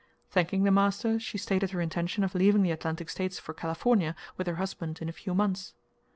Thanking the master, she stated her intention of leaving the Atlantic States for California with her husband in a few months.